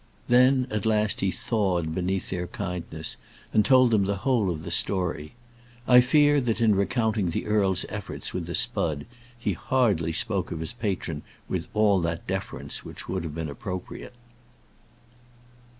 Then, at last, he thawed beneath their kindness, and told them the whole of the story. I fear that in recounting the earl's efforts with the spud, he hardly spoke of his patron with all that deference which would have been appropriate.